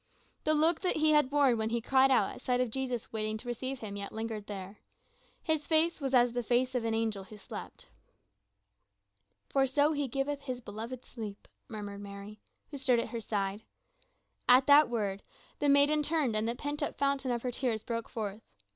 The look that he had worn when he cried out at sight of Jesus waiting to receive him yet lingered there, his face was as the face of an angel who slept. "For so he giveth his beloved sleep," murmured Mary, who stood at her side. At that word the maiden turned and the pent up fountain of her tears broke forth.